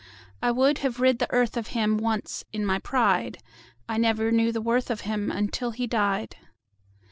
I would have rid the earth of himOnce, in my pride.…I never knew the worth of himUntil he died.